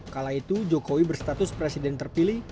kala itu jokowi berstatus presiden terpilih